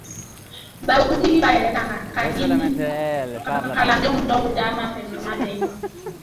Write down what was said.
- Barokuntigi b'a yɛrɛ tanga, k'a ɲini kalanden dɔw danma fɛ, tuma bɛɛ